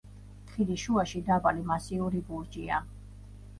ხიდის შუაში დაბალი, მასიური ბურჯია.